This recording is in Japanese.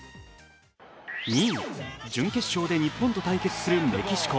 ２位、準決勝で日本と対決するメキシコ。